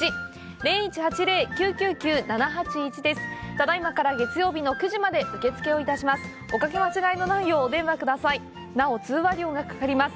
ただいまから月曜日の９時まで受け付けをいたします。